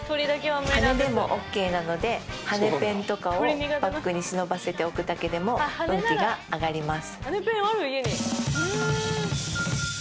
羽根でもＯＫなので羽根ペンとかをバッグに忍ばせておくだけでも運気が上がります。